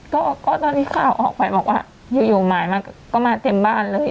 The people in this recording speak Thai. ก็ตอนนี้ข่าวออกไปบอกว่าอยู่หมายมาก็มาเต็มบ้านเลย